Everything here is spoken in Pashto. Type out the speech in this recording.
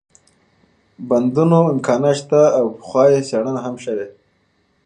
بندونو امكانات شته او پخوا يې څېړنه هم شوې